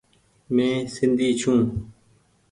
مين سندي ڇون۔